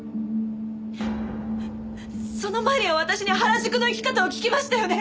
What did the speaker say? その前には私に原宿の行き方を聞きましたよね？